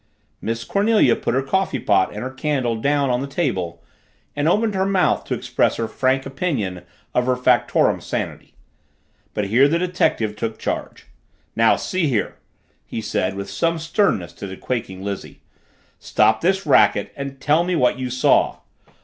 Miss Cornelia put her coffeepot and her candle down on the table and opened her mouth to express her frank opinion of her factotum's sanity. But here the detective took charge. "Now see here," he said with some sternness to the quaking Lizzie, "stop this racket and tell me what you saw!"